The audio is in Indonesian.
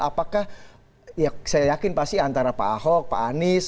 apakah ya saya yakin pasti antara pak ahok pak anies